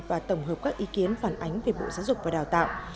và tổng hợp các ý kiến phản ánh về bộ giáo dục và đào tạo